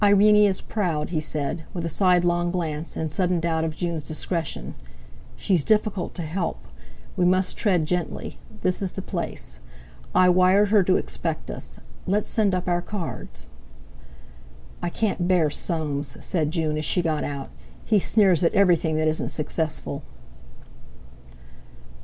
"Irene is proud," he said, with a sidelong glance, in sudden doubt of June's discretion; "she's difficult to help. We must tread gently. This is the place. I wired her to expect us. Let's send up our cards." "I can't bear Soames," said June as she got out; "he sneers at everything that isn't successful."